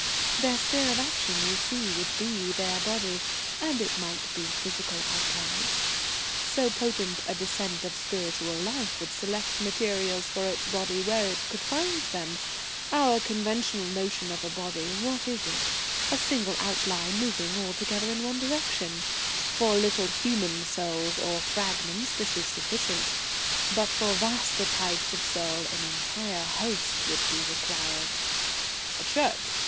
"Their sphere of action, you see, would be their body. And it might be physical outline. So potent a descent of spiritual life would select materials for its body where it could find them. Our conventional notion of a body what is it? A single outline moving altogether in one direction. For little human souls, or fragments, this is sufficient. But for vaster types of soul an entire host would be required." "A church?"